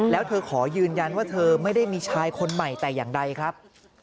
แล้วเธอขอยืนยันว่าเธอไม่ได้มีชายคนใหม่แต่อย่างใดครับ